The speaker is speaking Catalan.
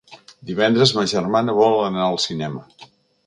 Divendres ma germana vol anar al cinema.